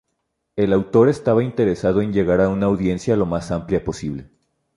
El autor estaba interesado en llegar a una audiencia lo más amplia posible.